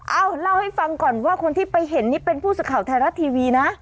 เอาเล่าให้ฟังก่อนว่าคนที่ไปเห็นนี่เป็นผู้สื่อข่าวไทยรัฐทีวีนะ